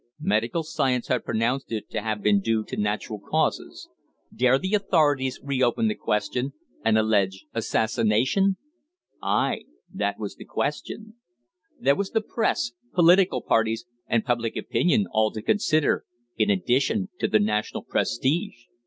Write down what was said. Medical science had pronounced it to have been due to natural causes. Dare the authorities re open the question, and allege assassination? Aye, that was the question. There was the press, political parties and public opinion all to consider, in addition to the national prestige.